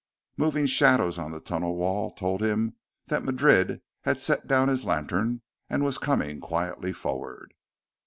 Moving shadows on the tunnel wall told him that Madrid had set down his lantern and was coming quietly forward.